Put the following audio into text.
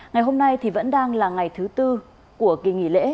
ngày hôm nay thì vẫn đang là ngày thứ tư của kỳ nghỉ lễ